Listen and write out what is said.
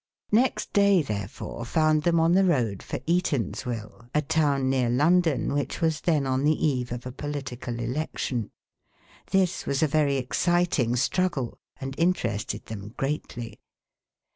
Next day, therefore, found them on the road for Eatanswill, a town near London which was then on the eve of a political election. This was a very exciting struggle and interested them greatly.